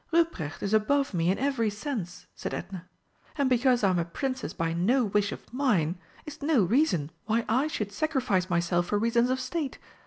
"Ruprecht is above me in every sense," said Edna; "and because I'm a Princess by no wish of mine is no reason why I should sacrifice myself for reasons of state.